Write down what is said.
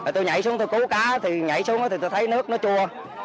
tôi nhảy xuống tôi cứu cá thì nhảy xuống tôi thấy nước nó chua